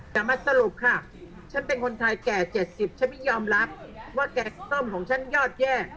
แต่มาสรุปค่ะฉันเป็นคนไทยแก่๗๐ฉันไม่ยอมรับว่าแกงส้มของฉันยอดแย่